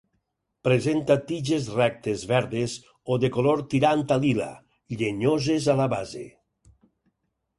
Presenta tiges rectes verdes o de color tirant a lila, llenyoses a la base.